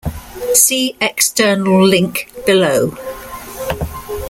See external link below.